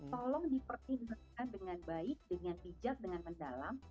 tolong dipertimbangkan dengan baik dengan bijak dengan mendalam